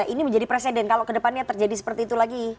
ini menjadi presiden kalau kedepannya terjadi seperti itu lagi